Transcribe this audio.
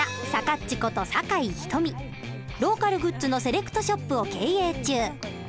ローカルグッズのセレクトショップを経営中。